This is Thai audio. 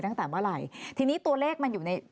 ตั้งแต่เมื่อไหร่ทีนี้ตัวเลขมันอยู่ใน